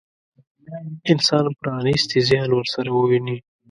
انسان پرانيستي ذهن ورسره وويني.